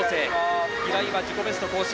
平井は自己ベスト更新。